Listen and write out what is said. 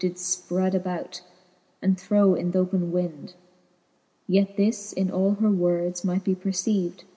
Did fpred abroad, and throw in th*open wynd. Yet this in all her words might be perceived.